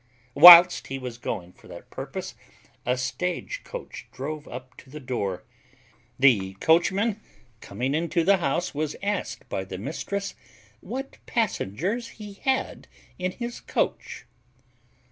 Whilst he was going for that purpose, a stage coach drove up to the door. The coachman coming into the house was asked by the mistress what passengers he had in his coach?